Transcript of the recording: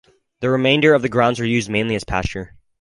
The remainder of the grounds are used mainly as pasture.